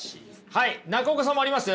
はい中岡さんもあります？